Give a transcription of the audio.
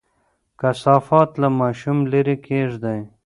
کثافات له ماشوم لرې کېږدئ.